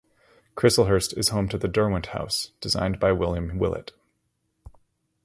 Chislehurst is home to the Derwent House, designed by William Willett.